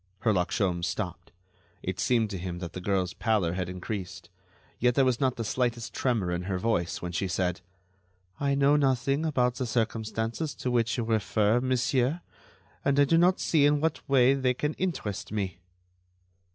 Herlock Sholmes stopped. It seemed to him that the girl's pallor had increased. Yet there was not the slightest tremor in her voice when she said: "I know nothing about the circumstances to which you refer, monsieur, and I do not see in what way they can interest me."